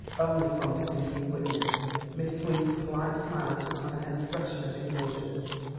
Only from some new witness." Miss Weeks' polite smile took on an expression of indulgence.